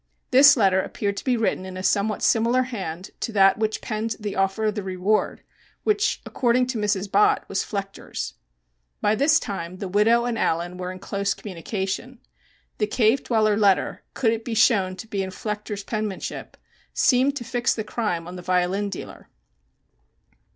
This letter appeared to be written in a somewhat similar hand to that which penned the offer of the reward, which, according to Mrs. Bott, was Flechter's. By this time the widow and Allen, were in close communication. The "Cave Dweller" letter, could it be shown to be in Flechter's penmanship, seemed to fix the crime on the violin dealer.